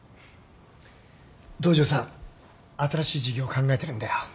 東城さん新しい事業考えてるんだよ。